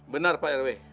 benar pak rw